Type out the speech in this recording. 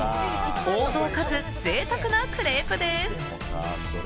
王道かつ、贅沢なクレープです。